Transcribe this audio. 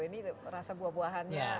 ini rasa buah buahannya